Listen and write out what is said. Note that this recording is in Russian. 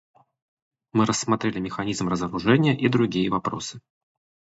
Мы рассмотрели механизм разоружения и другие вопросы.